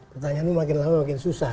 pertanyaan lu makin lama makin susah